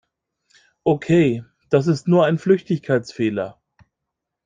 Okay, das ist nur ein Flüchtigkeitsfehler.